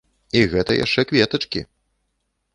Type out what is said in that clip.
І гэта яшчэ кветачкі!